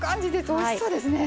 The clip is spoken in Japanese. おいしそうですね。